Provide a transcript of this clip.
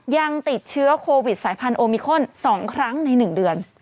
ยังติดเชื้อโควิดสายพันธุมิคอน๒ครั้งใน๑เดือน